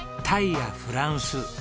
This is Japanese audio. タイやフランス。